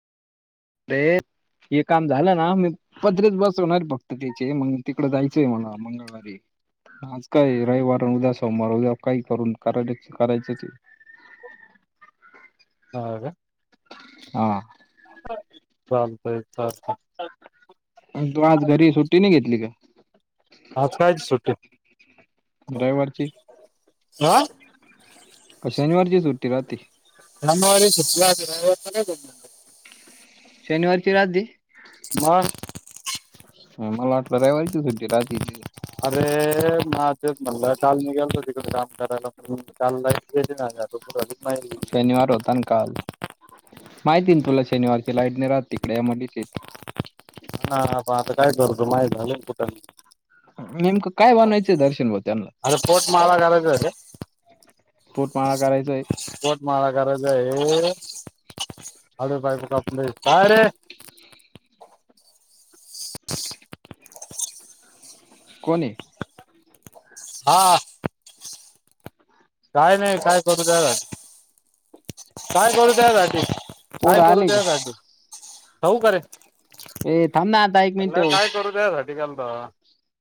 अे हे काम झालं ना मी पत्रच बसवणारे फक्त त्याचे मग तिकडे जायचंय मला मंगळवारी आज काय रविवार आणि उद्या सोमवार उद्या काही करून कराय करायचं ते हा चालतय क का आज कायची सुट्टी? रविवारची हा [inaudible] काय शनिवारची सुट्टी राहते? नमु आणि शितल्या आज राहायला येतो काय दोन-दोन दिवस. शनिवारची रात्री मग मला वाटलं रविवारीची सुट्टी रातीची. अरे माझ च म्हणलं काल निघालता तिकडे काम करायला पण चाललाय [unintelligible] काकू कुठ आली? शनिवार होता ना काल. माहिती ना तुला शनिवारची लाईटने राात तिकडे यामध्येलीस येत हा पण आता काय करतो माही झालं कुठ नेमकं काय बनायचंय दर्शन भाऊ त्यांना अरे पोट माळा करायचा आहे रे पोटमाळा करायचंय पोट माळा कराच आहे अड बाय काप काय रे [inaudible] कोणी हा काय नाही काय करू द्या काय करू द्याधी काय पोरं करू आले का त्या काजू होवऊ करे ए थांब ना आता एक म्हला मिनिट काय करू द सा काालता